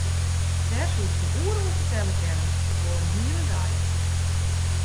Dêr soest in oere oer fertelle kinne, wol in hele dei.